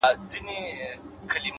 اخلاص د انسان اصلي ځواک دی؛